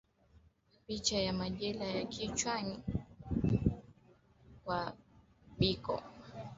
Picha za majelaha ya kichwani kwa Biko nae alihudhulia mazishi hayo